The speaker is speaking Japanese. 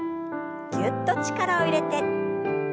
ぎゅっと力を入れて。